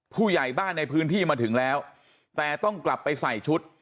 ผู้ใหญ่บ้านในพื้นที่มาถึงแล้วแต่ต้องกลับไปใส่ชุด